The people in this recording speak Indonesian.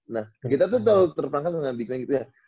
nah kita tuh terlalu terperangkap dengan big man gitu ya